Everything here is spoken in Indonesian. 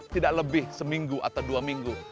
tidak lebih seminggu atau dua minggu